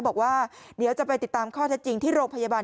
บอกว่าเดี๋ยวจะไปติดตามข้อเท็จจริงที่โรงพยาบาล